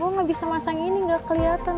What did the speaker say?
gue gak bisa masang ini gak keliatan